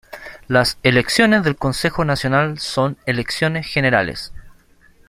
Las elecciones del Consejo Nacional son elecciones generales.